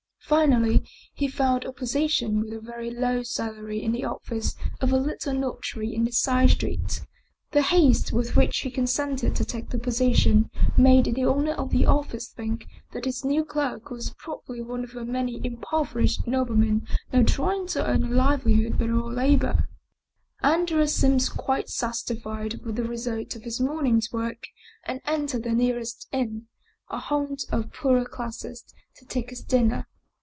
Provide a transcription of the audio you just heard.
Finally, he found a position with a very low salary in the office of a little notary in a side street. .The haste with which he consented to take the position made the owner of the office think that his new clerk was probably one of the many impoverished noblemen now trying to earn a livelihood by their own labor. Andrea seemed quite satisfied with the result of his morning's work and entered the nearest inn, a haunt of the poorer classes, to take his dinner.